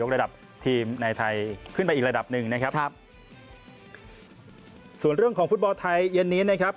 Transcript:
ระดับทีมในไทยขึ้นไปอีกระดับหนึ่งนะครับครับส่วนเรื่องของฟุตบอลไทยเย็นนี้นะครับ